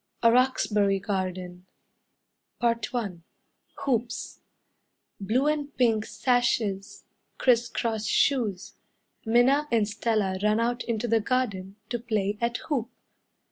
A Roxbury Garden I Hoops Blue and pink sashes, Criss cross shoes, Minna and Stella run out into the garden To play at hoop.